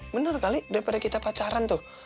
bener kali daripada kita pacaran tuh